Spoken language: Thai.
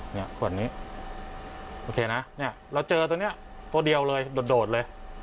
เนี่ยขวดนี้โอเคนะเราเจอตัวนี้ตัวเดียวเลยโดดเลย